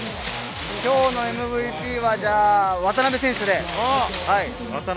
今日のＭＶＰは渡邉選手で。